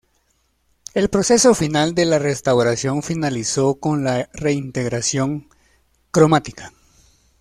El proceso final de la restauración finalizó con la reintegración cromática.